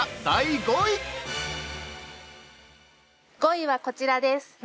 ◆５位は、こちらです。